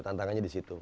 tantangannya di situ